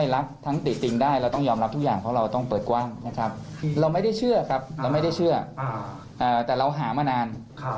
เราไม่ได้เชื่อครับเราไม่ได้เชื่อแต่เราหามานาน